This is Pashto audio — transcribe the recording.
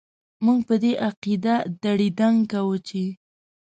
موږ په دې عقيده دړي دنګ کاوو چې ...